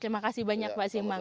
terima kasih banyak pak simbang